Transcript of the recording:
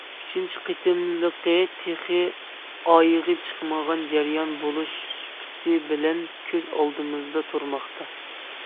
ئۈچىنچى قېتىملىقى تېخى ئايىغى چىقمىغان جەريان بولۇش سۈپىتى بىلەن كۆز ئالدىمىزدا تۇرماقتا.